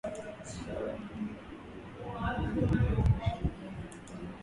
wakati kikitumia sensa ya aina fulani ikiwa na gharama ya dola mia hamsini